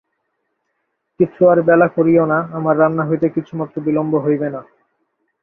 কিন্তু আর বেলা করিয়ো না, আমার রান্না হইতে কিছুমাত্র বিলম্ব হইবে না।